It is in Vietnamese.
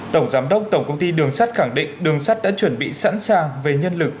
tổng giám đốc tổng công ty đường sắt khẳng định đường sắt đã chuẩn bị sẵn sàng về nhân lực